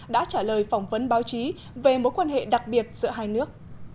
đã trả lời phỏng vấn báo chí về mối quan hệ đặc biệt giữa hai nước